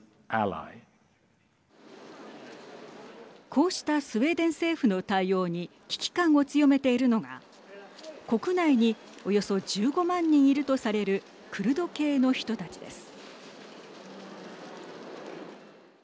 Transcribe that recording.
こうしたスウェーデン政府の対応に危機感を強めているのが国内におよそ１５万人いるとされるクルド系の人たちです。